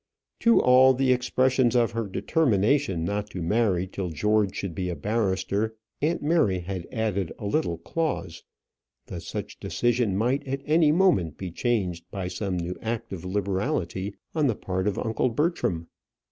To all the expressions of her determination not to marry till George should be a barrister, aunt Mary had added a little clause that such decision might at any moment be changed by some new act of liberality on the part of uncle Bertram.